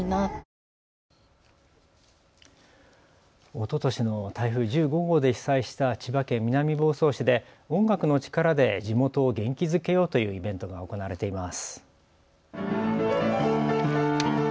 おととしの台風１５号で被災した千葉県南房総市で音楽の力で地元を元気づけようというイベントが行われています。